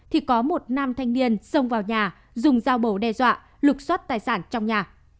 thì có một nam thanh niên xông vào nhà dùng dao bổ đe dọa lục xoát tài sản trong nhà